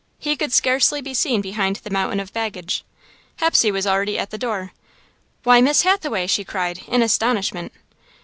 He could scarcely be seen behind the mountain of baggage. Hepsey was already at the door. "Why, Miss Hathaway!" she cried, in astonishment.